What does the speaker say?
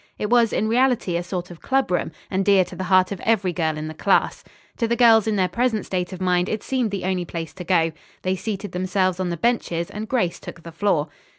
It was in reality a sort of clubroom, and dear to the heart of every girl in the class. To the girls in their present state of mind it seemed the only place to go. They seated themselves on the benches and Grace took the floor.